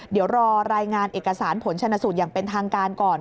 เดี๋ยวรอรายงานเอกสารผลชนสูตรอย่างเป็นทางการก่อน